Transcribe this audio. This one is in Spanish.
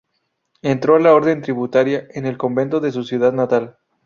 Entró a la Orden Trinitaria en el convento de su ciudad natal.